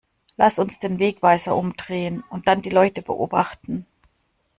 Lass uns den Wegweiser umdrehen und dann die Leute beobachten!